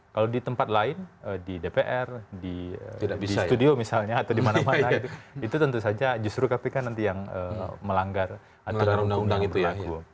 kalau di tempat lain di dpr di studio misalnya atau di mana mana itu tentu saja justru kpk nanti yang melanggar aturan undang undang yang berlaku